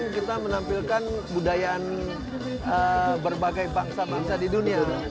kita menampilkan kebudayaan berbagai bangsa bangsa di dunia